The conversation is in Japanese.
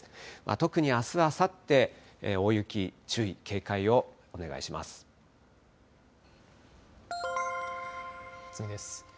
特にあす、あさって、大雪、注意、次です。